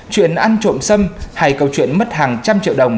chuyện ăn trộm sâm hay câu chuyện mất hàng trăm triệu đồng